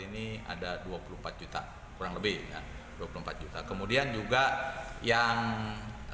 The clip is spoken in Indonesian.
ini ada dua puluh empat juta kurang lebih dua puluh empat juta kemudian juga yang